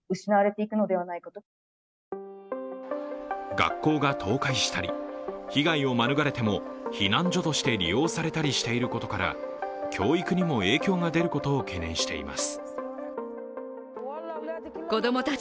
学校が倒壊したり、被害を免れても避難所として利用されたりしていることから教育にも影響が出ることを懸念しています。